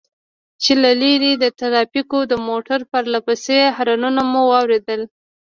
چې له لرې د ټرافيکو د موټر پرله پسې هارنونه مو واورېدل.